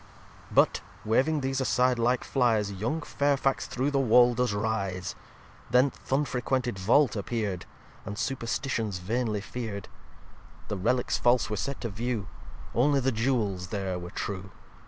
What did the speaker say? xxxiii But, waving these aside like Flyes, Young Fairfax through the Wall does rise. Then th' unfrequented Vault appear'd, And superstitions vainly fear'd. The Relicks false were set to view; Only the Jewels there were true.